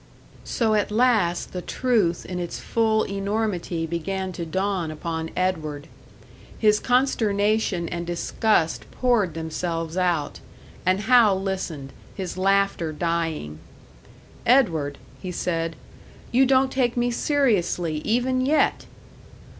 So at last the truth in its full enormity began to dawn upon Edward. His consternation and disgust poured themselves out; and Hal listened, his laughter dying. "Edward," he said, "you don't take me seriously even yet!"